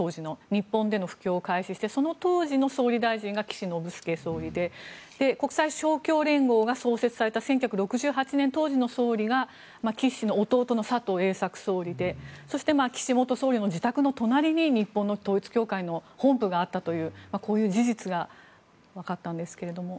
日本での布教を開始してその当時の総理大臣が岸信介総理で国際勝共連合が創設された１９６８年、当時の総理が弟の佐藤栄作総理でそして、岸元総理の自宅の隣に日本の統一教会の本部があったというこういう事実がわかったんですけども。